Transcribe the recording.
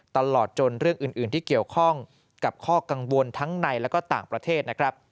ตลอดจนเรื่องอื่นที่เกี่ยวข้องกับข้อกังวลทั้งในและก็ต่างประเทศนะครับ